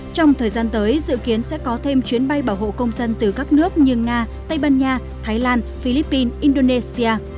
trong thời gian tới dự kiến sẽ có thêm chuyến bay bảo hộ công dân từ các nước như nga tây ban nha thái lan philippines indonesia